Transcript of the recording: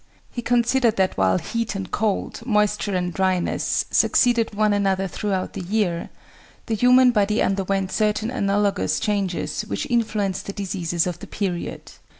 He considered that while heat and cold, moisture and dryness, succeeded one another throughout the year, the human body underwent certain analogous changes which influenced the diseases of the period.